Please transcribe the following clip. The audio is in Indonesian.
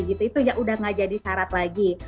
itu sudah tidak jadi syarat lagi